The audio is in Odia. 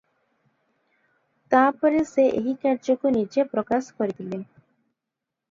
ତା'ପରେ ସେ ଏହି କାର୍ଯ୍ୟକୁ ନିଜେ ପ୍ରକାଶ କରିଥିଲେ ।